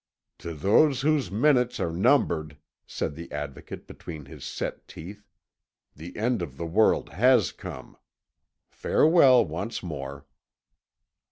"To those whose minutes are numbered," said the Advocate between his set teeth, "the end of the world has come. Farewell once more."